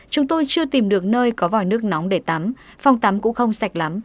chúng tôi chưa tìm được nơi có vòi nước nóng để tắm phòng tắm cũng không sạch lắm